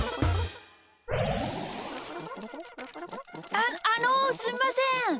あっあのすいません。